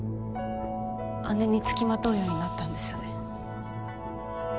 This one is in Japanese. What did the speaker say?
姉に付きまとうようになったんですよね。